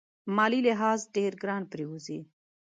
مالي لحاظ ډېر ګران پرېوزي.